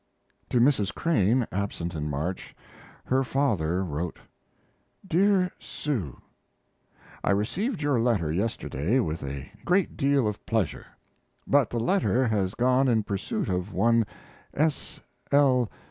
To Mrs. Crane, absent in March, her father wrote: DEAR SUE, I received your letter yesterday with a great deal of pleasure, but the letter has gone in pursuit of one S. L.